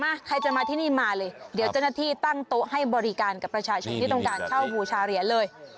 ใครจะมาที่นี่มาเลยเดี๋ยวเจ้าหน้าที่ตั้งโต๊ะให้บริการกับประชาชนที่ต้องการเช่าบูชาเหรียญเลย